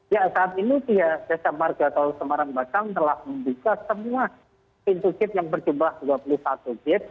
ya saat ini siasat marga atau semarang basang telah membuka semua pintu kit yang berjumlah dua puluh satu kit